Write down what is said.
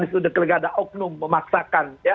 itu sudah kelegada oknum memaksakan